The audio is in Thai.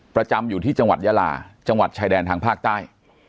ประจำอยู่ที่จังหวัดยาลาจังหวัดชายแดนทางภาคใต้